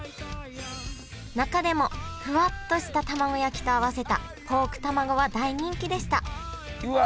中でもふわっとしたたまご焼きと合わせたポークたまごは大人気でしたうわ